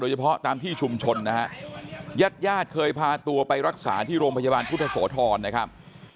เฉพาะตามที่ชุมชนนะฮะญาติญาติเคยพาตัวไปรักษาที่โรงพยาบาลพุทธโสธรนะครับ